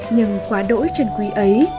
nhưng quá đỗi trần quý ấy